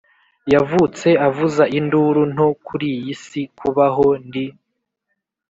yavutse avuza induru nto kuriyi si kubaho ndi.